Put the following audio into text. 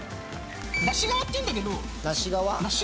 梨皮っていうんだけど。